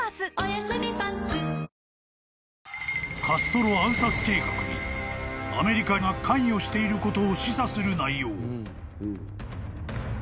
［カストロ暗殺計画にアメリカが関与していることを示唆する内容］